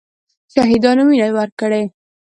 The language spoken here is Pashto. شهیدانو وینه ورکړې.